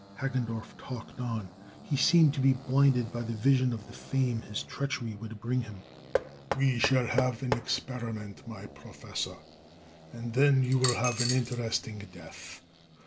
Hagendorff talked on. He seemed to be blinded by the vision of the fame his treachery would bring him. "We shall have an experiment, my Professor; and then you will have an interesting death!